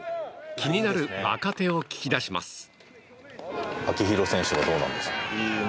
気になる若手を聞き出します。